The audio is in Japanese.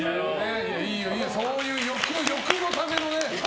いいよ、そういう欲のためのね。